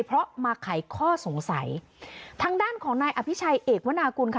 เพราะมาไขข้อสงสัยทางด้านของนายอภิชัยเอกวนากุลค่ะ